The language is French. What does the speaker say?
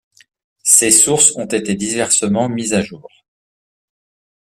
Ces sources ont été diversement mises à jour.